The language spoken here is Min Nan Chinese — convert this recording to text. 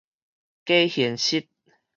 假現實